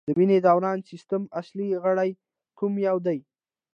د وینې دوران سیستم اصلي غړی کوم یو دی